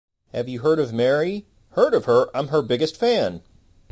Have you heard of Mary? "Heard of her? I'm her biggest fan!"